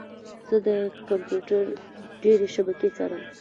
زه د کمپیوټر ډیرې شبکې څارم.